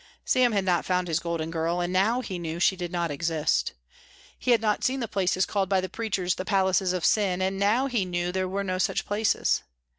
Sam had not found his golden girl, and now he knew she did not exist. He had not seen the places called by the preachers the palaces of sin, and now he knew there were no such places.